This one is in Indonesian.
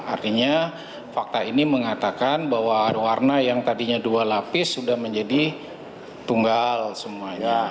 artinya fakta ini mengatakan bahwa warna yang tadinya dua lapis sudah menjadi tunggal semuanya